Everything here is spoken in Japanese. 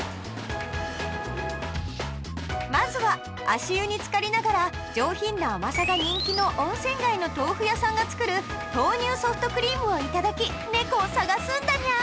まずは足湯につかりながら上品な甘さが人気の温泉街の豆腐屋さんが作る豆乳ソフトクリームをいただき猫を探すんだニャー！